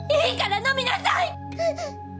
いいからのみなさい！